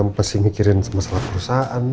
masih mikirin masalah perusahaan